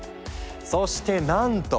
そしてなんと！